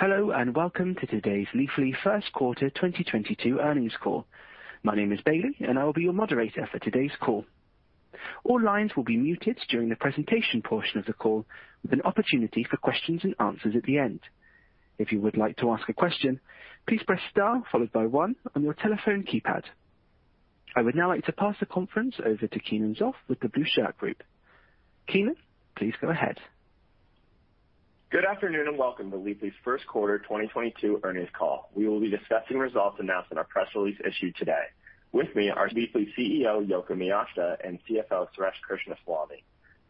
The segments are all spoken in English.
Hello, and welcome to today's Leafly first quarter 2022 earnings call. My name is Bailey, and I will be your moderator for today's call. All lines will be muted during the presentation portion of the call with an opportunity for questions and answers at the end. If you would like to ask a question, please press star followed by one on your telephone keypad. I would now like to pass the conference over to Keenan Zopf with The Blueshirt Group. Keenan, please go ahead. Good afternoon, and welcome to Leafly's first quarter 2022 earnings call. We will be discussing results announced in our press release issued today. With me are Leafly CEO, Yoko Miyashita, and CFO, Suresh Krishnaswamy.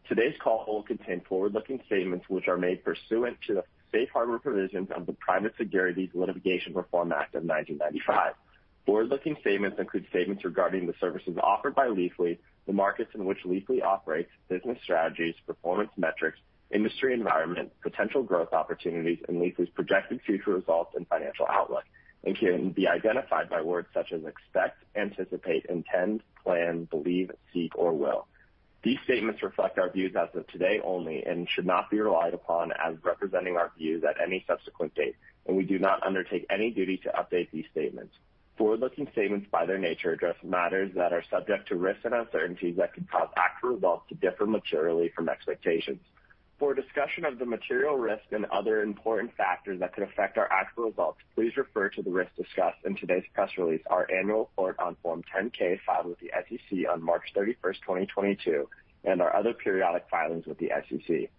Today's call will contain forward-looking statements which are made pursuant to the Safe Harbor provisions of the Private Securities Litigation Reform Act of 1995. Forward-looking statements include statements regarding the services offered by Leafly, the markets in which Leafly operates, business strategies, performance metrics, industry environment, potential growth opportunities, and Leafly's projected future results and financial outlook, and can be identified by words such as expect, anticipate, intend, plan, believe, seek, or will. These statements reflect our views as of today only and should not be relied upon as representing our views at any subsequent date, and we do not undertake any duty to update these statements. Forward-looking statements, by their nature, address matters that are subject to risks and uncertainties that could cause actual results to differ materially from expectations. For a discussion of the material risks and other important factors that could affect our actual results, please refer to the risks discussed in today's press release, our annual report on Form 10-K filed with the SEC on March 31, 2022, and our other periodic filings with the SEC.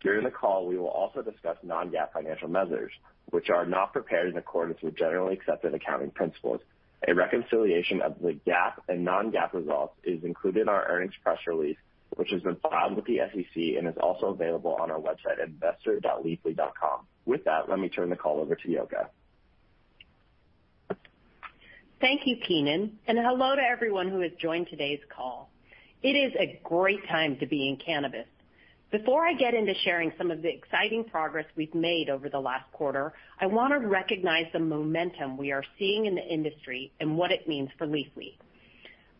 During the call, we will also discuss non-GAAP financial measures, which are not prepared in accordance with generally accepted accounting principles. A reconciliation of the GAAP and non-GAAP results is included in our earnings press release, which has been filed with the SEC and is also available on our website at investor.Leafly.com. With that, let me turn the call over to Yoko. Thank you, Keenan, and hello to everyone who has joined today's call. It is a great time to be in cannabis. Before I get into sharing some of the exciting progress we've made over the last quarter, I want to recognize the momentum we are seeing in the industry and what it means for Leafly.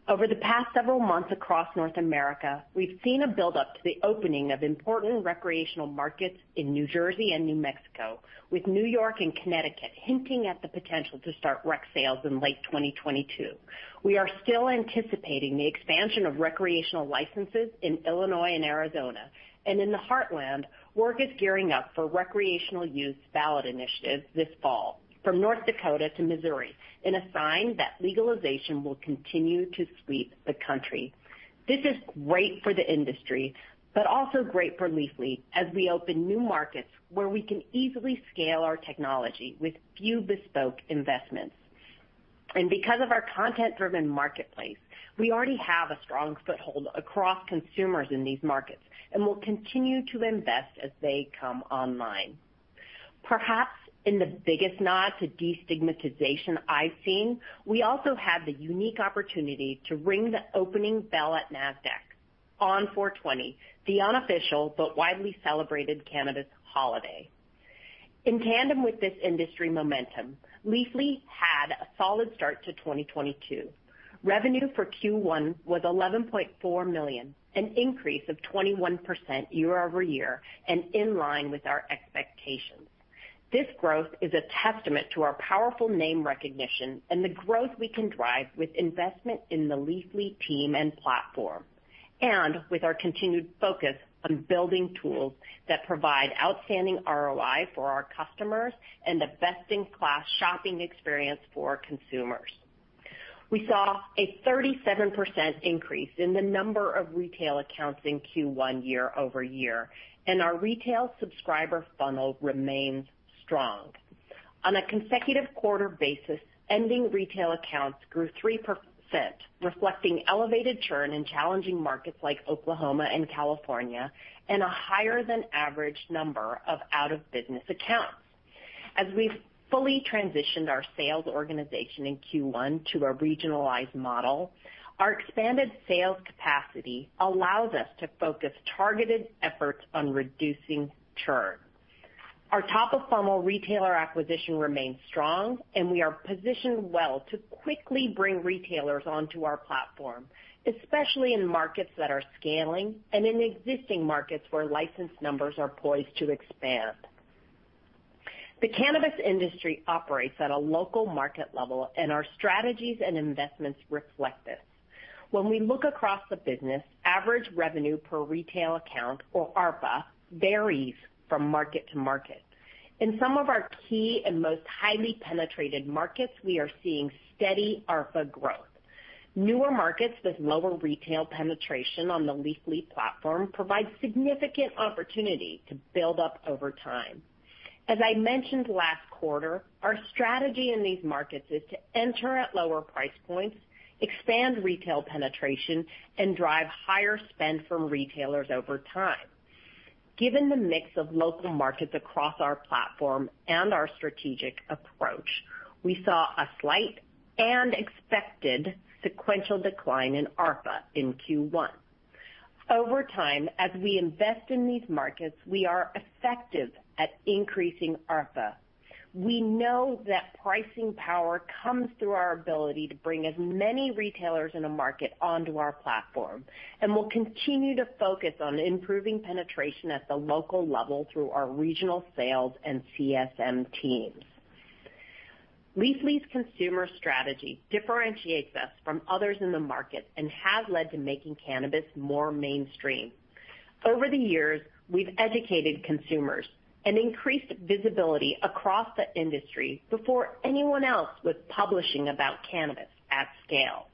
Over the past several months across North America, we've seen a build-up to the opening of important recreational markets in New Jersey and New Mexico, with New York and Connecticut hinting at the potential to start rec sales in late 2022. We are still anticipating the expansion of recreational licenses in Illinois and Arizona. In the Heartland, work is gearing up for recreational use ballot initiatives this fall from North Dakota to Missouri in a sign that legalization will continue to sweep the country. This is great for the industry, but also great for Leafly as we open new markets where we can easily scale our technology with few bespoke investments. Because of our content-driven marketplace, we already have a strong foothold across consumers in these markets and will continue to invest as they come online. Perhaps in the biggest nod to destigmatization I've seen, we also had the unique opportunity to ring the opening bell at Nasdaq on 420, the unofficial but widely celebrated cannabis holiday. In tandem with this industry momentum, Leafly had a solid start to 2022. Revenue for Q1 was $11.4 million, an increase of 21% year-over-year and in line with our expectations. This growth is a testament to our powerful name recognition and the growth we can drive with investment in the Leafly team and platform, and with our continued focus on building tools that provide outstanding ROI for our customers and the best-in-class shopping experience for consumers. We saw a 37% increase in the number of retail accounts in Q1 year-over-year, and our retail subscriber funnel remains strong. On a quarter-over-quarter basis, ending retail accounts grew 3%, reflecting elevated churn in challenging markets like Oklahoma and California, and a higher than average number of out-of-business accounts. As we've fully transitioned our sales organization in Q1 to a regionalized model, our expanded sales capacity allows us to focus targeted efforts on reducing churn. Our top-of-funnel retailer acquisition remains strong, and we are positioned well to quickly bring retailers onto our platform, especially in markets that are scaling and in existing markets where license numbers are poised to expand. The cannabis industry operates at a local market level, and our strategies and investments reflect this. When we look across the business, average revenue per retail account, or ARPA, varies from market to market. In some of our key and most highly penetrated markets, we are seeing steady ARPA growth. Newer markets with lower retail penetration on the Leafly platform provide significant opportunity to build up over time. As I mentioned last quarter, our strategy in these markets is to enter at lower price points, expand retail penetration, and drive higher spend from retailers over time. Given the mix of local markets across our platform and our strategic approach, we saw a slight and expected sequential decline in ARPA in Q1. Over time, as we invest in these markets, we are effective at increasing ARPA. We know that pricing power comes through our ability to bring as many retailers in a market onto our platform, and we'll continue to focus on improving penetration at the local level through our regional sales and CSM teams. Leafly's consumer strategy differentiates us from others in the market and has led to making cannabis more mainstream. Over the years, we've educated consumers and increased visibility across the industry before anyone else was publishing about cannabis at scale.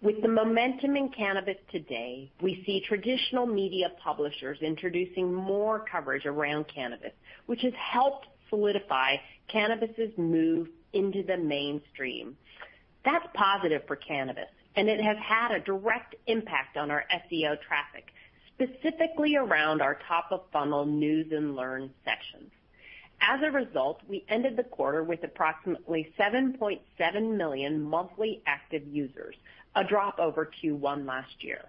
With the momentum in cannabis today, we see traditional media publishers introducing more coverage around cannabis, which has helped solidify cannabis's move into the mainstream. That's positive for cannabis, and it has had a direct impact on our SEO traffic, specifically around our top-of-funnel news and learn sections. As a result, we ended the quarter with approximately 7.7 million monthly active users, a drop over Q1 last year.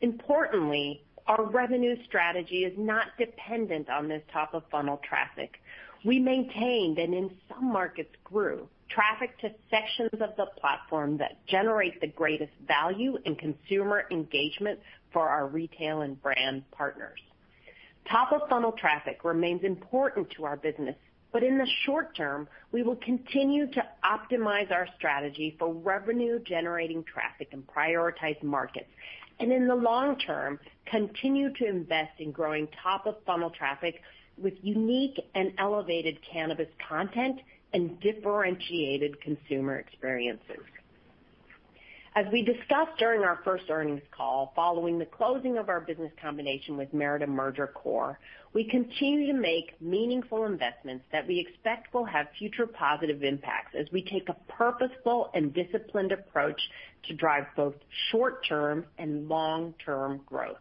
Importantly, our revenue strategy is not dependent on this top-of-funnel traffic. We maintained, and in some markets grew, traffic to sections of the platform that generate the greatest value in consumer engagement for our retail and brand partners. Top-of-funnel traffic remains important to our business, but in the short term, we will continue to optimize our strategy for revenue-generating traffic and prioritize markets, and in the long term, continue to invest in growing top-of-funnel traffic with unique and elevated cannabis content and differentiated consumer experiences. As we discussed during our first earnings call following the closing of our business combination with Merida Merger Corp. I, we continue to make meaningful investments that we expect will have future positive impacts as we take a purposeful and disciplined approach to drive both short-term and long-term growth.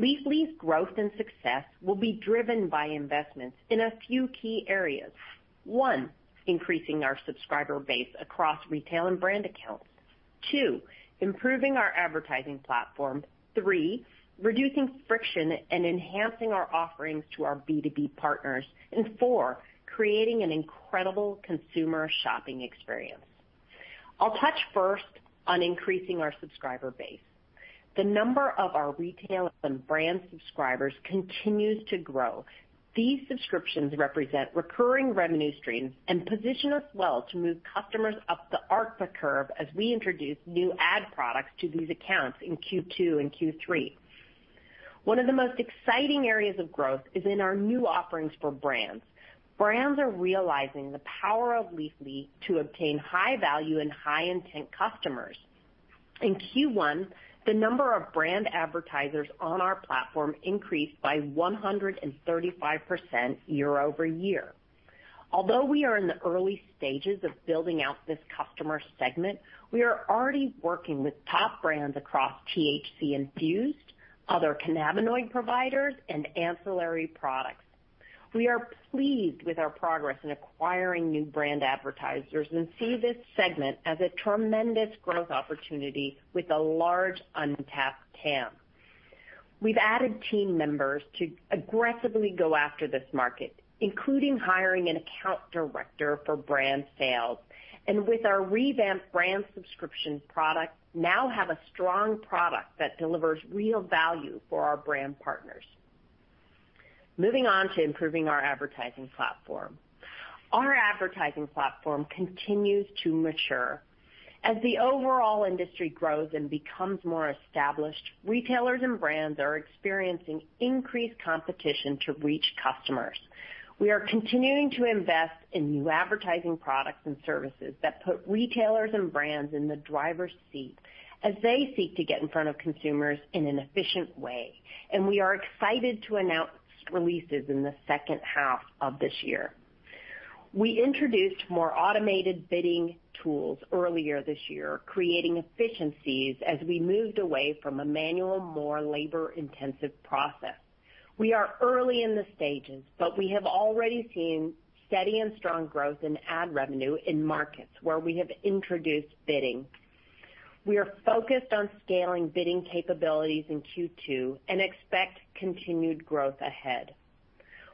Leafly's growth and success will be driven by investments in a few key areas. One, increasing our subscriber base across retail and brand accounts. Two, improving our advertising platform. Three, reducing friction and enhancing our offerings to our B2B partners. And four, creating an incredible consumer shopping experience. I'll touch first on increasing our subscriber base. The number of our retail and brand subscribers continues to grow. These subscriptions represent recurring revenue streams and position us well to move customers up the ARPA curve as we introduce new ad products to these accounts in Q2 and Q3. One of the most exciting areas of growth is in our new offerings for brands. Brands are realizing the power of Leafly to obtain high-value and high-intent customers. In Q1, the number of brand advertisers on our platform increased by 135% year-over-year. Although we are in the early stages of building out this customer segment, we are already working with top brands across THC infused, other cannabinoid providers, and ancillary products. We are pleased with our progress in acquiring new brand advertisers and see this segment as a tremendous growth opportunity with a large untapped TAM. We've added team members to aggressively go after this market, including hiring an account director for brand sales, and with our revamped brand subscription product, now have a strong product that delivers real value for our brand partners. Moving on to improving our advertising platform. Our advertising platform continues to mature. As the overall industry grows and becomes more established, retailers and brands are experiencing increased competition to reach customers. We are continuing to invest in new advertising products and services that put retailers and brands in the driver's seat as they seek to get in front of consumers in an efficient way, and we are excited to announce releases in the second half of this year. We introduced more automated bidding tools earlier this year, creating efficiencies as we moved away from a manual, more labor-intensive process. We are early in the stages, but we have already seen steady and strong growth in ad revenue in markets where we have introduced bidding. We are focused on scaling bidding capabilities in Q2 and expect continued growth ahead.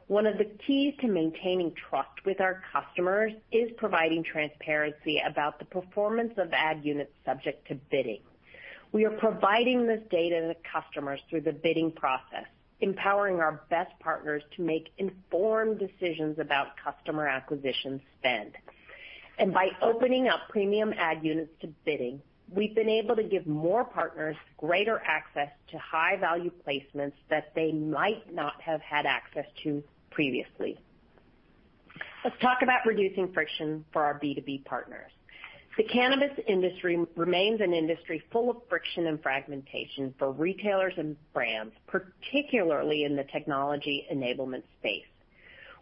One of the keys to maintaining trust with our customers is providing transparency about the performance of ad units subject to bidding. We are providing this data to customers through the bidding process, empowering our best partners to make informed decisions about customer acquisition spend. By opening up premium ad units to bidding, we've been able to give more partners greater access to high-value placements that they might not have had access to previously. Let's talk about reducing friction for our B2B partners. The cannabis industry remains an industry full of friction and fragmentation for retailers and brands, particularly in the technology enablement space.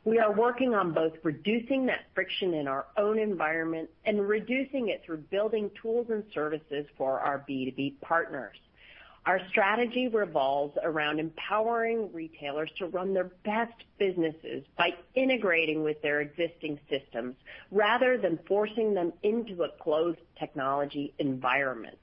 We are working on both reducing that friction in our own environment and reducing it through building tools and services for our B2B partners. Our strategy revolves around empowering retailers to run their best businesses by integrating with their existing systems rather than forcing them into a closed technology environment.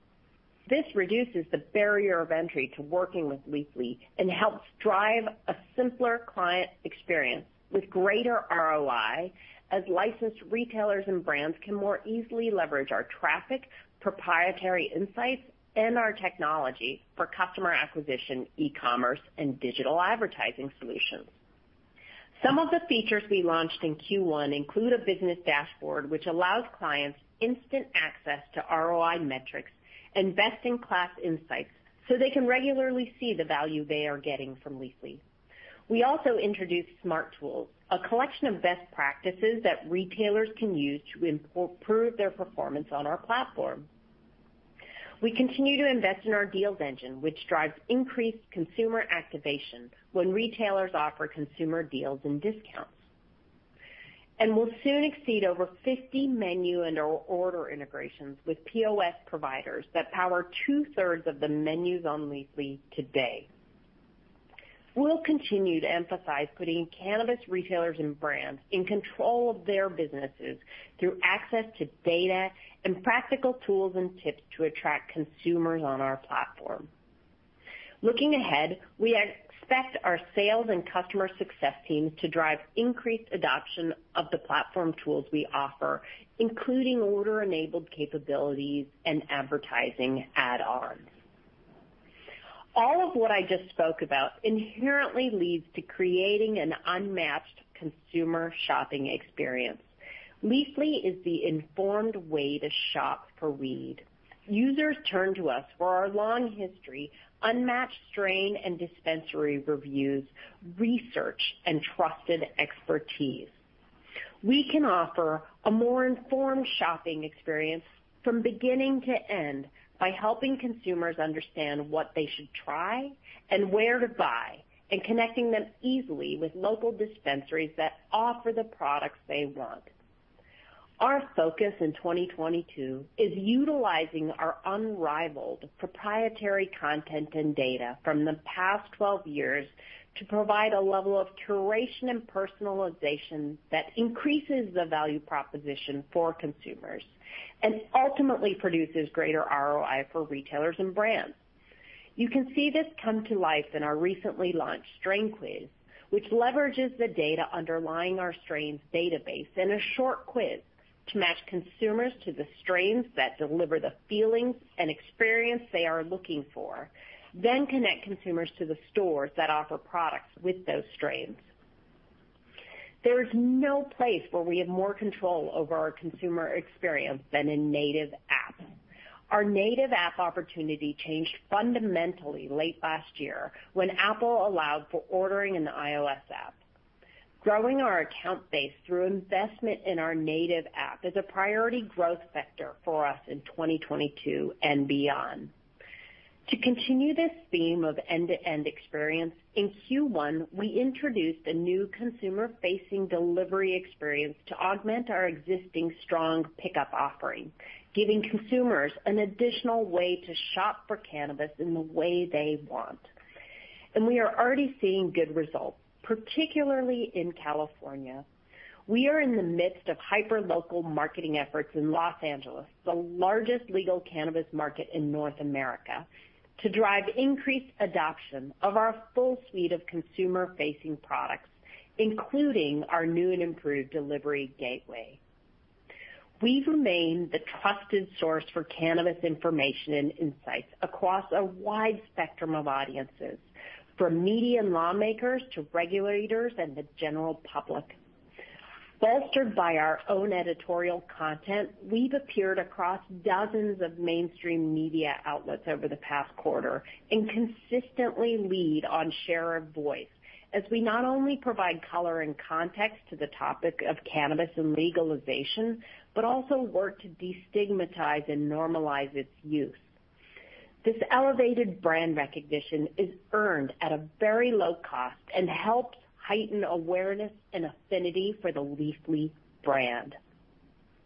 This reduces the barrier of entry to working with Leafly and helps drive a simpler client experience with greater ROI, as licensed retailers and brands can more easily leverage our traffic, proprietary insights, and our technology for customer acquisition, e-commerce, and digital advertising solutions. Some of the features we launched in Q1 include a business dashboard, which allows clients instant access to ROI metrics and best-in-class insights, so they can regularly see the value they are getting from Leafly. We also introduced Smart Tools, a collection of best practices that retailers can use to improve their performance on our platform. We continue to invest in our deals engine, which drives increased consumer activation when retailers offer consumer deals and discounts. We'll soon exceed over 50 menu and/or order integrations with POS providers that power two-thirds of the menus on Leafly today. We'll continue to emphasize putting cannabis retailers and brands in control of their businesses through access to data and practical tools and tips to attract consumers on our platform. Looking ahead, we expect our sales and customer success teams to drive increased adoption of the platform tools we offer, including order-enabled capabilities and advertising add-ons. All of what I just spoke about inherently leads to creating an unmatched consumer shopping experience. Leafly is the informed way to shop for weed. Users turn to us for our long history, unmatched strain and dispensary reviews, research, and trusted expertise. We can offer a more informed shopping experience from beginning to end by helping consumers understand what they should try and where to buy, and connecting them easily with local dispensaries that offer the products they want. Our focus in 2022 is utilizing our unrivaled proprietary content and data from the past 12 years to provide a level of curation and personalization that increases the value proposition for consumers, and ultimately produces greater ROI for retailers and brands. You can see this come to life in our recently launched strain quiz, which leverages the data underlying our strains database in a short quiz to match consumers to the strains that deliver the feelings and experience they are looking for, then connect consumers to the stores that offer products with those strains. There is no place where we have more control over our consumer experience than in native app. Our native app opportunity changed fundamentally late last year when Apple allowed for ordering in the iOS app. Growing our account base through investment in our native app is a priority growth sector for us in 2022 and beyond. To continue this theme of end-to-end experience, in Q1, we introduced a new consumer-facing delivery experience to augment our existing strong pickup offering, giving consumers an additional way to shop for cannabis in the way they want. We are already seeing good results, particularly in California. We are in the midst of hyperlocal marketing efforts in Los Angeles, the largest legal cannabis market in North America, to drive increased adoption of our full suite of consumer-facing products, including our new and improved delivery gateway. We remain the trusted source for cannabis information and insights across a wide spectrum of audiences, from media and lawmakers to regulators and the general public. Bolstered by our own editorial content, we've appeared across dozens of mainstream media outlets over the past quarter and consistently lead on share of voice, as we not only provide color and context to the topic of cannabis and legalization, but also work to destigmatize and normalize its use. This elevated brand recognition is earned at a very low cost and helps heighten awareness and affinity for the Leafly brand.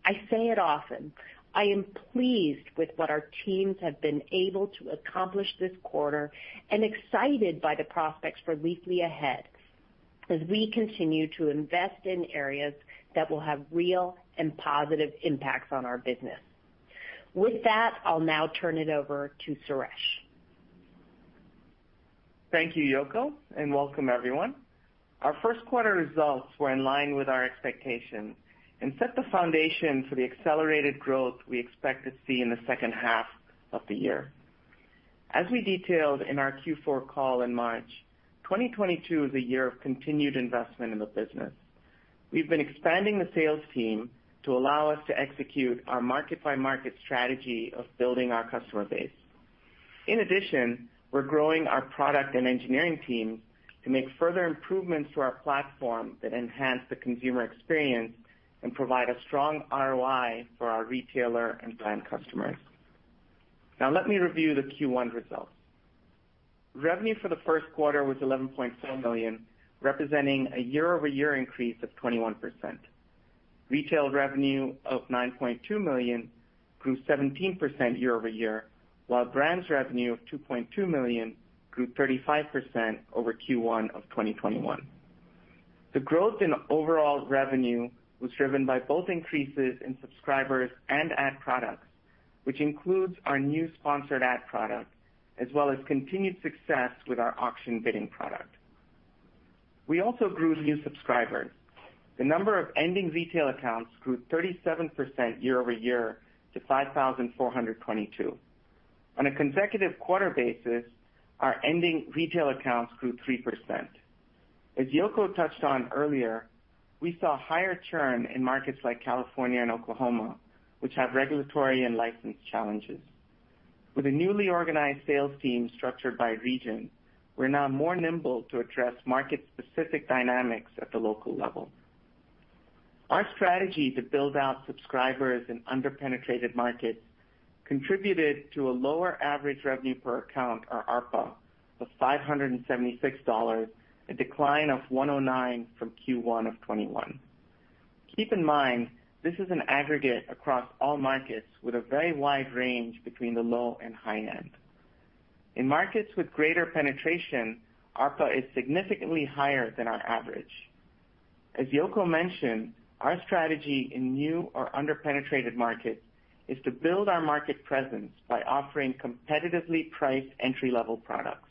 I say it often, I am pleased with what our teams have been able to accomplish this quarter and excited by the prospects for Leafly ahead as we continue to invest in areas that will have real and positive impacts on our business. With that, I'll now turn it over to Suresh. Thank you, Yoko, and welcome everyone. Our first quarter results were in line with our expectations and set the foundation for the accelerated growth we expect to see in the second half of the year. As we detailed in our Q4 call in March 2022, is a year of continued investment in the business. We've been expanding the sales team to allow us to execute our market-by-market strategy of building our customer base. In addition, we're growing our product and engineering teams to make further improvements to our platform that enhance the consumer experience and provide a strong ROI for our retailer and brand customers. Now, let me review the Q1 results. Revenue for the first quarter was $11.7 million, representing a year-over-year increase of 21%. Retail revenue of $9.2 million grew 17% year-over-year, while brands revenue of $2.2 million grew 35% over Q1 of 2021. The growth in overall revenue was driven by both increases in subscribers and ad products, which includes our new sponsored ad product, as well as continued success with our auction bidding product. We also grew new subscribers. The number of ending retail accounts grew 37% year-over-year to 5,422. On a consecutive quarter basis, our ending retail accounts grew 3%. As Yoko touched on earlier, we saw higher churn in markets like California and Oklahoma, which have regulatory and license challenges. With a newly organized sales team structured by region, we're now more nimble to address market-specific dynamics at the local level. Our strategy to build out subscribers in under-penetrated markets contributed to a lower average revenue per account, or ARPA, of $576, a decline of $109 from Q1 of 2021. Keep in mind, this is an aggregate across all markets with a very wide range between the low and high end. In markets with greater penetration, ARPA is significantly higher than our average. As Yoko mentioned, our strategy in new or under-penetrated markets is to build our market presence by offering competitively priced entry-level products.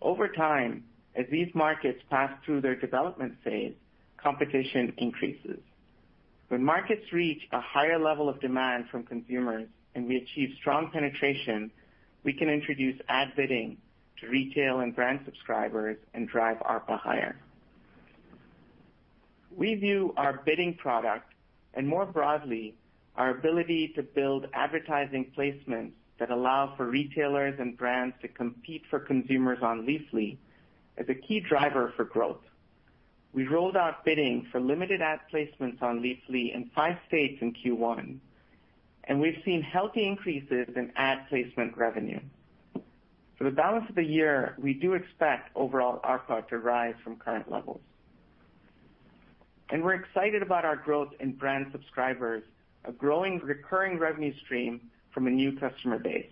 Over time, as these markets pass through their development phase, competition increases. When markets reach a higher level of demand from consumers and we achieve strong penetration, we can introduce ad bidding to retail and brand subscribers and drive ARPA higher. We view our bidding product, and more broadly, our ability to build advertising placements that allow for retailers and brands to compete for consumers on Leafly, as a key driver for growth. We rolled out bidding for limited ad placements on Leafly in five states in Q1, and we've seen healthy increases in ad placement revenue. For the balance of the year, we do expect overall ARPA to rise from current levels. We're excited about our growth in brand subscribers, a growing recurring revenue stream from a new customer base.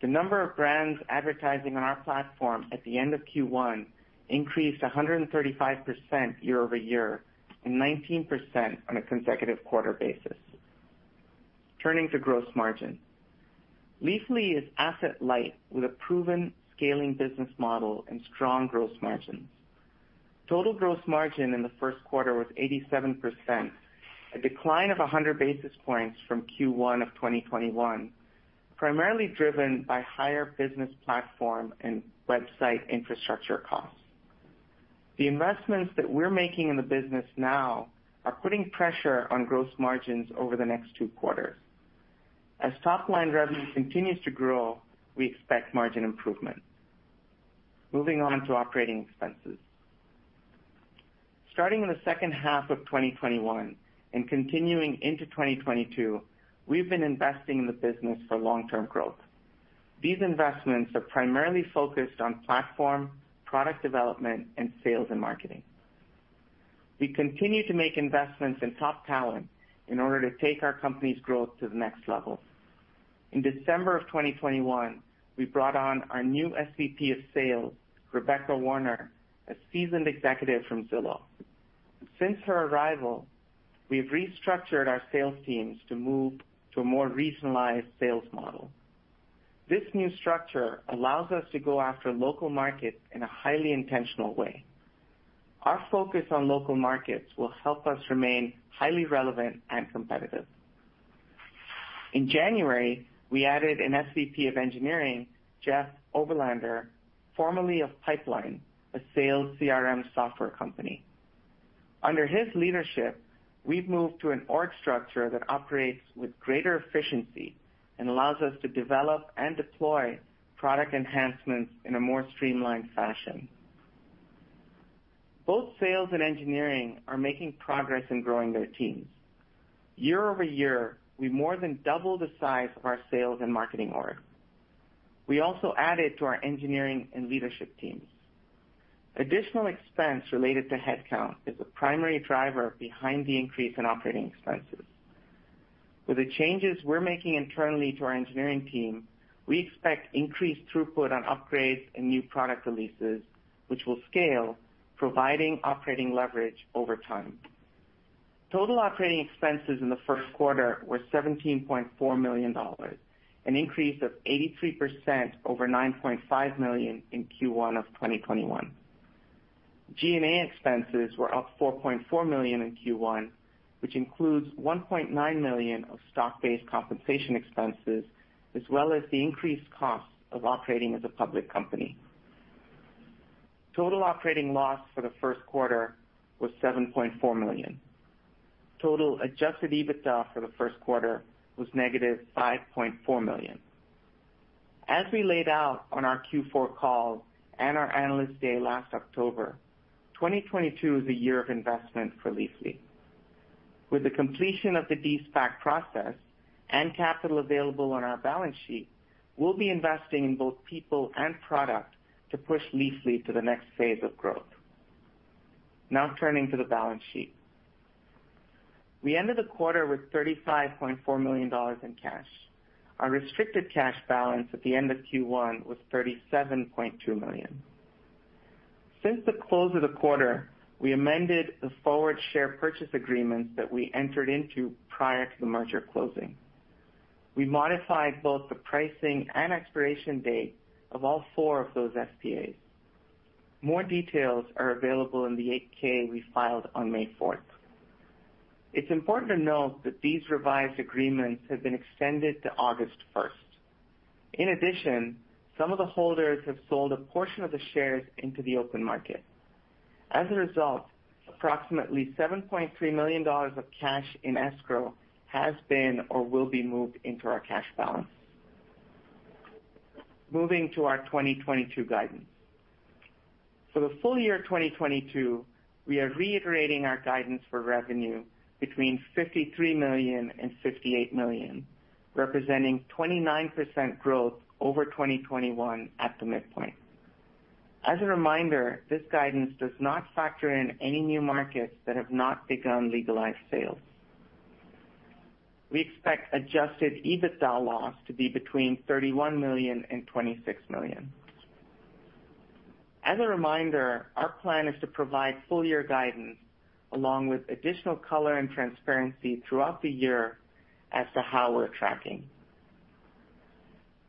The number of brands advertising on our platform at the end of Q1 increased 135% year-over-year and 19% on a consecutive quarter basis. Turning to gross margin. Leafly is asset light with a proven scaling business model and strong gross margins. Total gross margin in the first quarter was 87%, a decline of 100 basis points from Q1 of 2021, primarily driven by higher business platform and website infrastructure costs. The investments that we're making in the business now are putting pressure on gross margins over the next two quarters. As top-line revenue continues to grow, we expect margin improvement. Moving on to operating expenses. Starting in the second half of 2021 and continuing into 2022, we've been investing in the business for long-term growth. These investments are primarily focused on platform, product development, and sales and marketing. We continue to make investments in top talent in order to take our company's growth to the next level. In December of 2021, we brought on our new SVP of Sales, Rebecca Warner, a seasoned executive from Zillow. Since her arrival, we've restructured our sales teams to move to a more regionalized sales model. This new structure allows us to go after local markets in a highly intentional way. Our focus on local markets will help us remain highly relevant and competitive. In January, we added an SVP of Engineering, Jeff Oberlander, formerly of Pipeline, a sales CRM software company. Under his leadership, we've moved to an org structure that operates with greater efficiency and allows us to develop and deploy product enhancements in a more streamlined fashion. Both sales and engineering are making progress in growing their teams. Year-over-year, we more than doubled the size of our sales and marketing org. We also added to our engineering and leadership teams. Additional expense related to headcount is a primary driver behind the increase in operating expenses. With the changes we're making internally to our engineering team, we expect increased throughput on upgrades and new product releases, which will scale, providing operating leverage over time. Total operating expenses in the first quarter were $17.4 million, an increase of 83% over $9.5 million in Q1 of 2021. G&A expenses were up $4.4 million in Q1, which includes $1.9 million of stock-based compensation expenses, as well as the increased cost of operating as a public company. Total operating loss for the first quarter was $7.4 million. Total adjusted EBITDA for the first quarter was -$5.4 million. As we laid out on our Q4 call and our Analyst Day last October, 2022 is a year of investment for Leafly. With the completion of the de-SPAC process and capital available on our balance sheet, we'll be investing in both people and product to push Leafly to the next phase of growth. Now turning to the balance sheet. We ended the quarter with $35.4 million in cash. Our restricted cash balance at the end of Q1 was $37.2 million. Since the close of the quarter, we amended the forward share purchase agreements that we entered into prior to the merger closing. We modified both the pricing and expiration date of all 4 of those SPAs. More details are available in the 8-K we filed on May 4th. It's important to note that these revised agreements have been extended to August 1st. In addition, some of the holders have sold a portion of the shares into the open market. As a result, approximately $7.3 million of cash in escrow has been or will be moved into our cash balance. Moving to our 2022 guidance. For the full year 2022, we are reiterating our guidance for revenue between $53 million and $58 million, representing 29% growth over 2021 at the midpoint. As a reminder, this guidance does not factor in any new markets that have not begun legalized sales. We expect adjusted EBITDA loss to be between $31 million and $26 million. As a reminder, our plan is to provide full year guidance along with additional color and transparency throughout the year as to how we're tracking.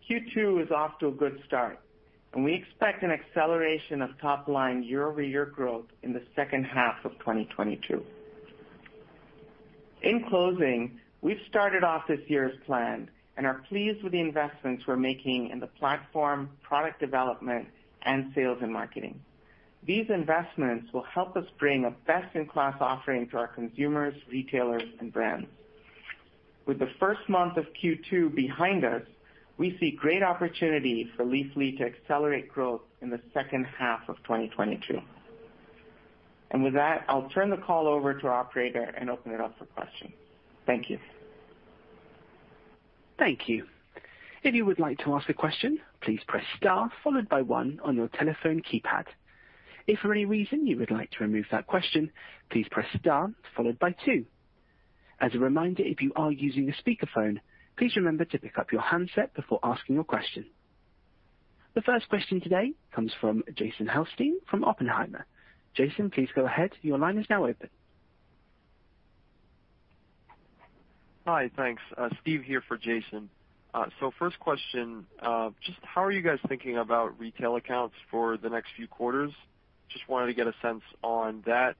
Q2 is off to a good start, and we expect an acceleration of top line year-over-year growth in the second half of 2022. In closing, we've started off this year's plan and are pleased with the investments we're making in the platform, product development, and sales and marketing. These investments will help us bring a best in class offering to our consumers, retailers, and brands. With the first month of Q2 behind us, we see great opportunity for Leafly to accelerate growth in the second half of 2022. With that, I'll turn the call over to our operator and open it up for questions. Thank you. Thank you. If you would like to ask a question, please press star followed by one on your telephone keypad. If for any reason you would like to remove that question, please press star followed by two. As a reminder, if you are using a speakerphone, please remember to pick up your handset before asking your question. The first question today comes from Jason Helfstein from Oppenheimer. Jason, please go ahead. Your line is now open. Hi. Thanks. Steve here for Jason. First question, just how are you guys thinking about retail accounts for the next few quarters? Just wanted to get a sense on that.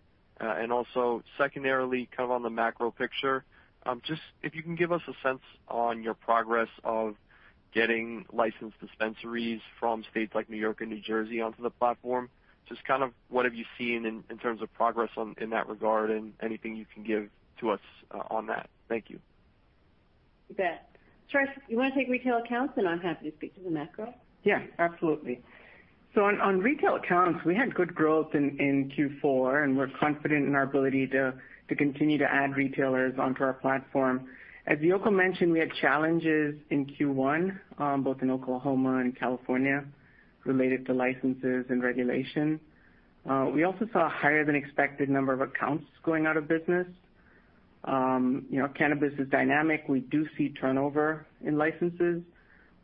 Also secondarily, kind of on the macro picture, just if you can give us a sense on your progress of getting licensed dispensaries from states like New York and New Jersey onto the platform. Just kind of what have you seen in terms of progress on in that regard and anything you can give to us on that? Thank you. You bet. Suresh, you wanna take retail accounts, and I'm happy to speak to the macro? Yeah, absolutely. On retail accounts, we had good growth in Q4, and we're confident in our ability to continue to add retailers onto our platform. As Yoko mentioned, we had challenges in Q1 both in Oklahoma and California related to licenses and regulation. We also saw a higher than expected number of accounts going out of business. You know, cannabis is dynamic. We do see turnover in licenses,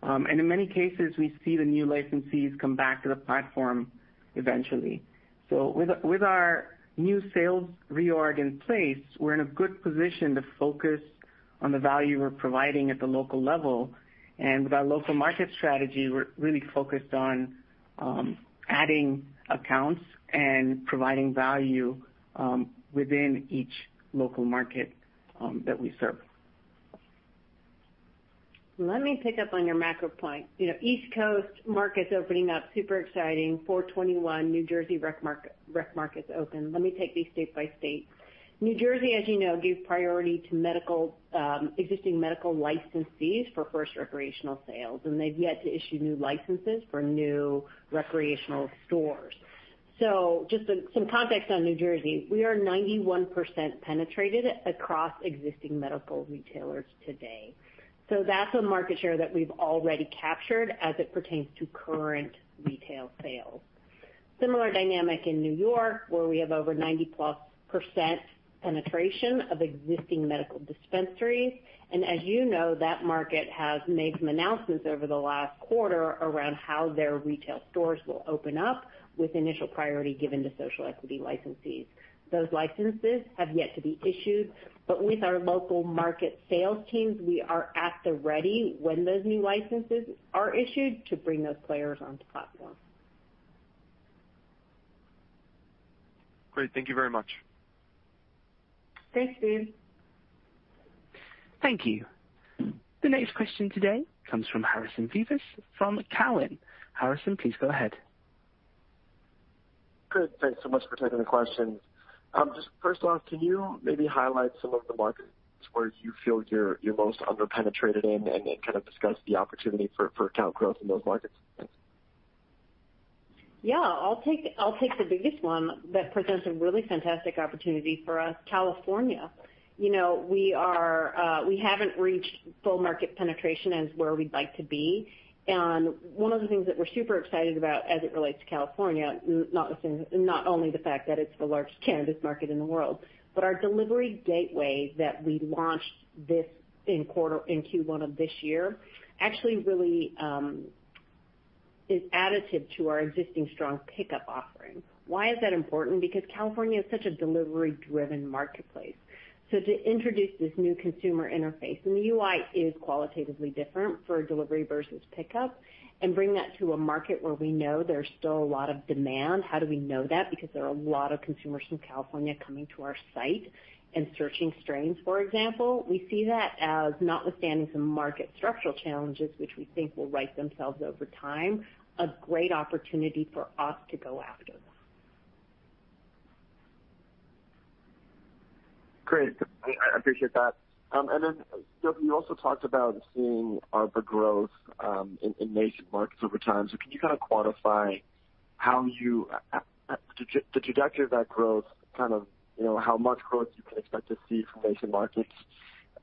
and in many cases we see the new licensees come back to the platform eventually. With our new sales reorg in place, we're in a good position to focus on the value we're providing at the local level. With our local market strategy, we're really focused on adding accounts and providing value within each local market that we serve. Let me pick up on your macro point. You know, East Coast markets opening up, super exciting. April 21, New Jersey rec market, rec markets open. Let me take these state by state. New Jersey, as you know, gave priority to medical, existing medical licensees for first recreational sales, and they've yet to issue new licenses for new recreational stores. So just some context on New Jersey. We are 91% penetrated across existing medical retailers today. So that's a market share that we've already captured as it pertains to current retail sales. Similar dynamic in New York, where we have over 90%+ penetration of existing medical dispensaries. As you know, that market has made some announcements over the last quarter around how their retail stores will open up with initial priority given to social equity licensees. Those licenses have yet to be issued, but with our local market sales teams, we are at the ready when those new licenses are issued to bring those players onto platform. Great. Thank you very much. Thanks, Steve. Thank you. The next question today comes from Harrison Vivas from Cowen. Harrison, please go ahead. Good. Thanks so much for taking the questions. Just first off, can you maybe highlight some of the markets where you feel you're most under-penetrated in and then kind of discuss the opportunity for account growth in those markets? Thanks. Yeah, I'll take the biggest one that presents a really fantastic opportunity for us, California. You know, we haven't reached full market penetration to where we'd like to be. One of the things that we're super excited about as it relates to California, not only the fact that it's the largest cannabis market in the world, but our delivery gateway that we launched in Q1 of this year, actually really is additive to our existing strong pickup offering. Why is that important? Because California is such a delivery-driven marketplace. To introduce this new consumer interface, and the UI is qualitatively different for delivery versus pickup, and bring that to a market where we know there's still a lot of demand. How do we know that? Because there are a lot of consumers from California coming to our site and searching strains, for example. We see that as notwithstanding some market structural challenges, which we think will right themselves over time, a great opportunity for us to go after. Great. I appreciate that. Yoko, you also talked about seeing ARPA growth in nascent markets over time. Can you kind of quantify the trajectory of that growth, kind of, how much growth you can expect to see from nascent markets,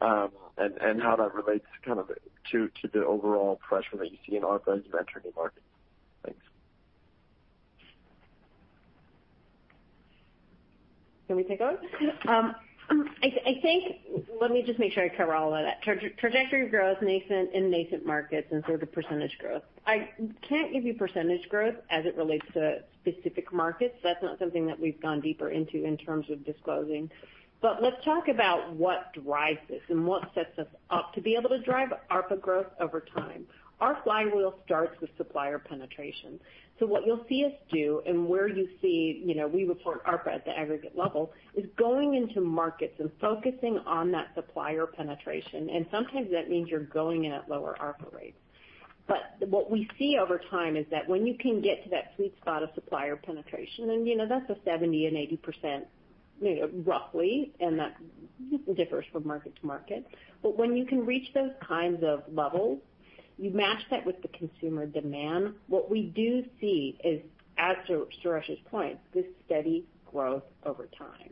and how that relates kind of to the overall pressure that you see in ARPA as you enter new markets? Thanks. Can we take over? I think. Let me just make sure I cover all of that. Trajectory of growth, nascent, in nascent markets and sort of percentage growth. I can't give you percentage growth as it relates to specific markets. That's not something that we've gone deeper into in terms of disclosing. Let's talk about what drives this and what sets us up to be able to drive ARPA growth over time. Our flywheel starts with supplier penetration. What you'll see us do and where you see, you know, we report ARPA at the aggregate level, is going into markets and focusing on that supplier penetration. Sometimes that means you're going in at lower ARPA rates. What we see over time is that when you can get to that sweet spot of supplier penetration, and, you know, that's a 70%-80%, you know, roughly, and that differs from market to market. When you can reach those kinds of levels, you match that with the consumer demand. What we do see is, as to Suresh's point, this steady growth over time.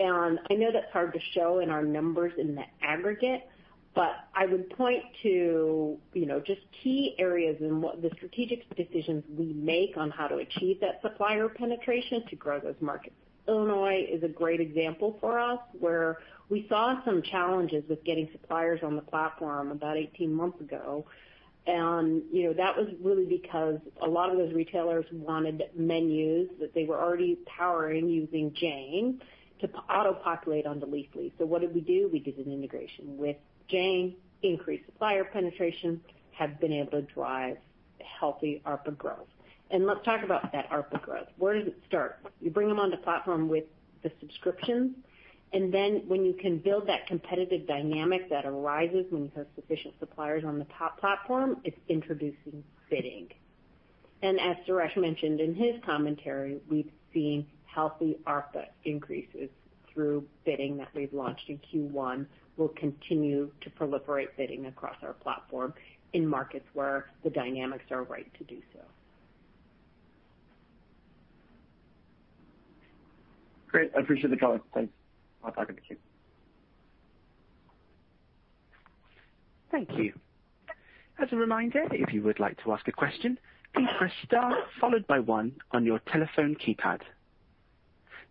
I know that's hard to show in our numbers in the aggregate, but I would point to, you know, just key areas in what the strategic decisions we make on how to achieve that supplier penetration to grow those markets. Illinois is a great example for us, where we saw some challenges with getting suppliers on the platform about 18 months ago. You know, that was really because a lot of those retailers wanted menus that they were already powering using Jane to auto-populate on the Leafly. What did we do? We did an integration with Jane, increased supplier penetration, have been able to drive healthy ARPA growth. Let's talk about that ARPA growth. Where does it start? You bring them on the platform with the subscriptions, and then when you can build that competitive dynamic that arises when you have sufficient suppliers on the top platform, it's introducing bidding. As Suresh mentioned in his commentary, we've seen healthy ARPA increases through bidding that we've launched in Q1 will continue to proliferate bidding across our platform in markets where the dynamics are right to do so. Great. I appreciate the color. Thanks. I'll talk over to you. Thank you. As a reminder, if you would like to ask a question, please press star followed by one on your telephone keypad.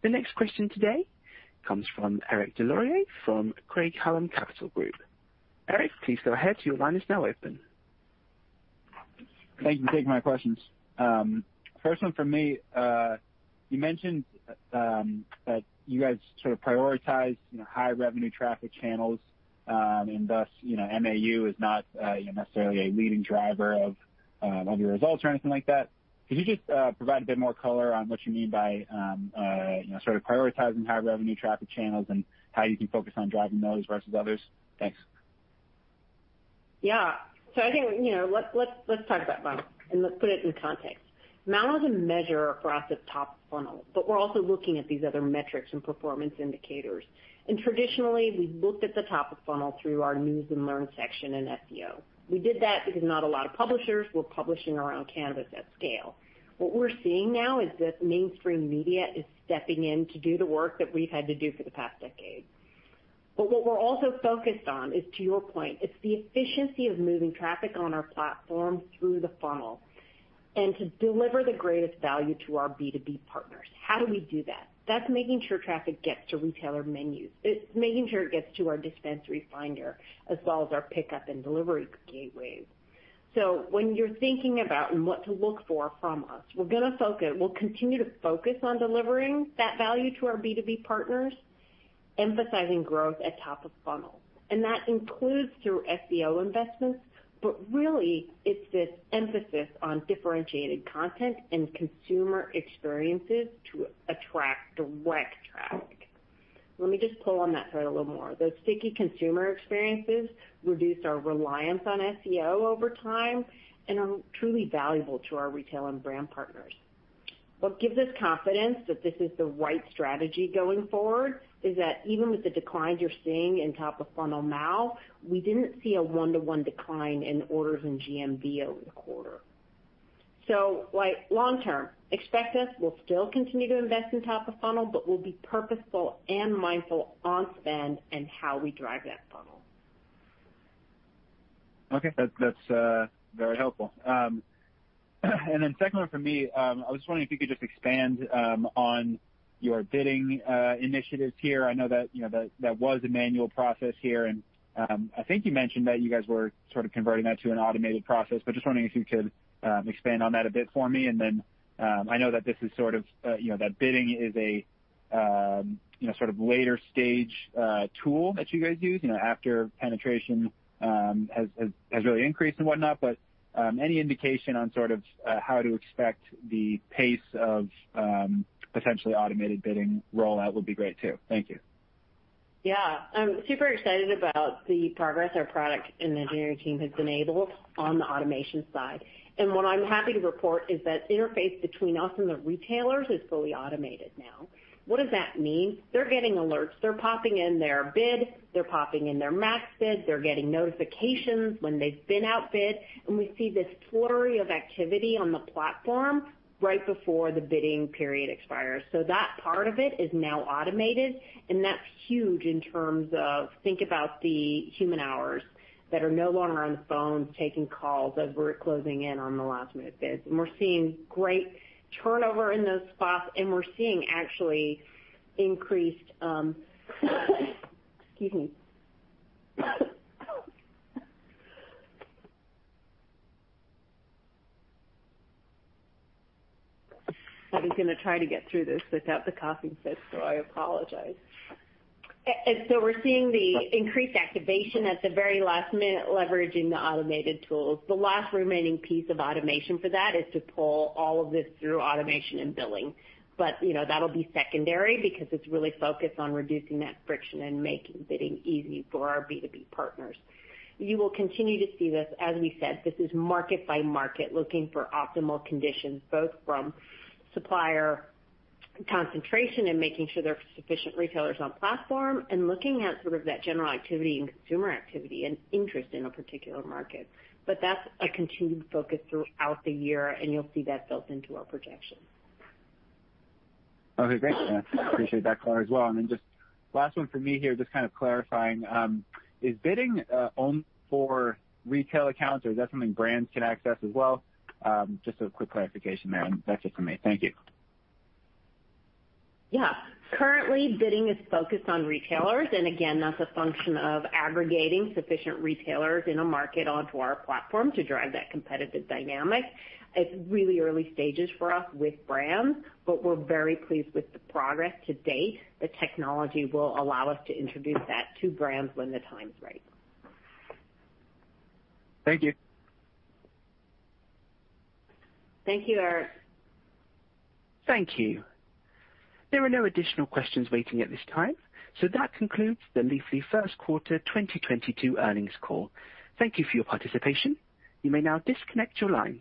The next question today comes from Eric Des Lauriers from Craig-Hallum Capital Group. Eric, please go ahead. Your line is now open. Thank you for taking my questions. First one from me. You mentioned that you guys sort of prioritize, you know, high revenue traffic channels, and thus, you know, MAU is not, you know, necessarily a leading driver of your results or anything like that. Could you just provide a bit more color on what you mean by, you know, sort of prioritizing high revenue traffic channels and how you can focus on driving those versus others? Thanks. Yeah. I think, you know, let's talk about MAU and let's put it in context. MAU is a measure for us at top of funnel, but we're also looking at these other metrics and performance indicators. Traditionally, we've looked at the top of funnel through our news and learn section in SEO. We did that because not a lot of publishers were publishing around cannabis at scale. What we're seeing now is that mainstream media is stepping in to do the work that we've had to do for the past decade. What we're also focused on is, to your point, it's the efficiency of moving traffic on our platform through the funnel and to deliver the greatest value to our B2B partners. How do we do that? That's making sure traffic gets to retailer menus. It's making sure it gets to our dispensary finder as well as our pickup and delivery gateways. When you're thinking about and what to look for from us, we're gonna focus, we'll continue to focus on delivering that value to our B2B partners, emphasizing growth at top of funnel. That includes through SEO investments, but really it's this emphasis on differentiated content and consumer experiences to attract direct traffic. Let me just pull on that thread a little more. Those sticky consumer experiences reduced our reliance on SEO over time and are truly valuable to our retail and brand partners. What gives us confidence that this is the right strategy going forward is that even with the declines you're seeing in top of funnel now, we didn't see a one-to-one decline in orders in GMV over the quarter. Like long term, expect us, we'll still continue to invest in top of funnel, but we'll be purposeful and mindful on spend and how we drive that funnel. Okay. That's very helpful. Second one for me, I was wondering if you could just expand on your bidding initiatives here. I know that, you know, that was a manual process here, and I think you mentioned that you guys were sort of converting that to an automated process, but just wondering if you could expand on that a bit for me. I know that this is sort of, you know, that bidding is a, you know, sort of later stage tool that you guys use, you know, after penetration has really increased and whatnot, but any indication on sort of how to expect the pace of potentially automated bidding rollout would be great too. Thank you. Yeah. I'm super excited about the progress our product and engineering team has enabled on the automation side. What I'm happy to report is that the interface between us and the retailers is fully automated now. What does that mean? They're getting alerts. They're popping in their bid. They're popping in their max bid. They're getting notifications when they've been outbid, and we see this flurry of activity on the platform right before the bidding period expires. That part of it is now automated, and that's huge in terms of think about the human hours that are no longer on the phone, taking calls as we're closing in on the last minute bids. We're seeing great turnover in those spots, and we're seeing actually increased, excuse me. I was gonna try to get through this without the coughing fit, so I apologize. We're seeing the increased activation at the very last minute, leveraging the automated tools. The last remaining piece of automation for that is to pull all of this through automation and billing. You know, that'll be secondary because it's really focused on reducing that friction and making bidding easy for our B2B partners. You will continue to see this. As we said, this is market by market, looking for optimal conditions, both from supplier concentration and making sure there are sufficient retailers on platform and looking at sort of that general activity and consumer activity and interest in a particular market. That's a continued focus throughout the year, and you'll see that built into our projections. Okay, great. I appreciate that color as well. Just last one for me here, just kind of clarifying. Is bidding only for retail accounts, or is that something brands can access as well? Just a quick clarification there, and that's it for me. Thank you. Yeah. Currently, bidding is focused on retailers, and again, that's a function of aggregating sufficient retailers in a market onto our platform to drive that competitive dynamic. It's really early stages for us with brands, but we're very pleased with the progress to date. The technology will allow us to introduce that to brands when the time is right. Thank you. Thank you, Eric. Thank you. There are no additional questions waiting at this time. That concludes the Leafly first quarter 2022 earnings call. Thank you for your participation. You may now disconnect your line.